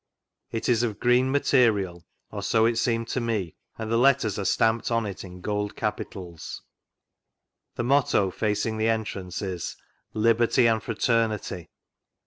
It is of green material (or so it seemed to me) and the letters are stamped on it in gold capitals. The motto facing the entrance is LIBERTY AND FRATERNITY.